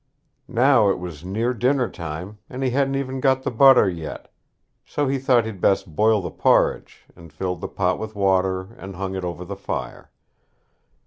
Now it was near dinner time, and he hadn't even got the butter yet; so he thought he'd best boil the porridge, and filled the pot with water, and hung it over the fire.